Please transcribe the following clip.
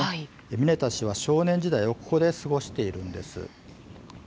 ミネタ氏は少年時代をここで過ごしているんです。